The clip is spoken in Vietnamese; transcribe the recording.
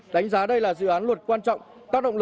đánh giá đây là dự án luật quan trọng